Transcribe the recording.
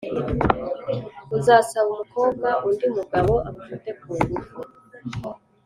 uzasaba umukobwa undi mugabo amufate ku ngufu.